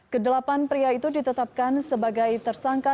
kedelapan pria itu ditetapkan sebagai tersangka